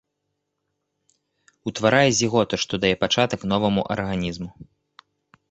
Утварае зіготу, што дае пачатак новаму арганізму.